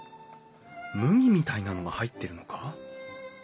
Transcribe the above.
麦みたいなのが入ってるのか？